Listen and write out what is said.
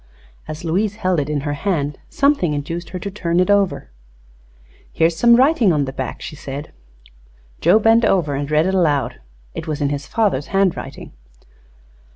As Louise held it in her hand something induced her to turn it over. "Here is some writing upon the back," she said. Joe bent over and read it aloud. It was in his father's handwriting.